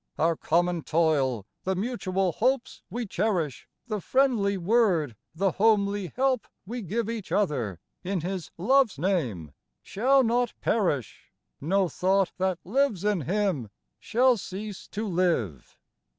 Our common toil, the mutual hopes we cherish, The friendly word, the homely help we give Each other in His love's name, shall not perish ; No thought that lives in Him shall cease to live.